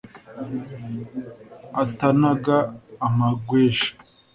atanaga amagweja